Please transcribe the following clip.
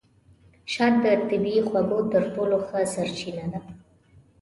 شات د طبیعي خوږو تر ټولو ښه سرچینه ده.